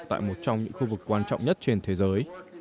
tại một trong những khu vực quan trọng nhất trên thế giới